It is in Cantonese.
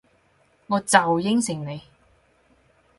我就應承你